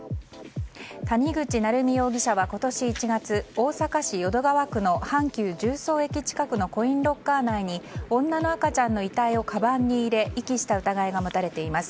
谷口成美容疑者は今年１月大阪市淀川区の阪急十三駅近くのコインロッカー内に女の赤ちゃんの遺体をかばんに入れ遺棄した疑いが持たれています。